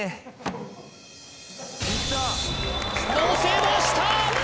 のせました！